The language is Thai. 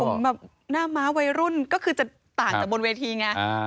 ผมแบบหน้าม้าวัยรุ่นก็คือจะต่างจากบนเวทีไง